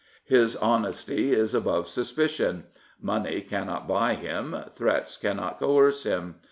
His honesty is above suspicion. Money cannot buy him, threats cannot coerce him.